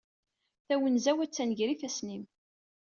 Tawenza-w attan gar ifassen-im.